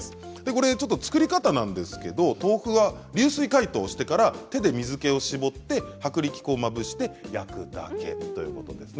作り方なんですが豆腐は流水解凍してから手で水けを絞って薄力粉をまぶして焼くだけです。